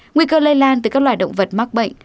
nguy cơ lây lan từ các loài động vật mắc bệnh